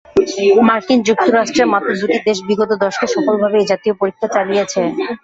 মার্কিন যুক্তরাষ্ট্রে মাত্র দুটি দেশ বিগত দশকে সফলভাবে এ জাতীয় পরীক্ষা চালিয়েছে।